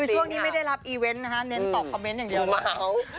คือช่วงนี้ไม่ได้รับอีเวนต์นะคะเน้นตอบคอมเมนต์อย่างเดียวนะคะ